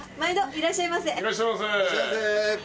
いらっしゃいませ。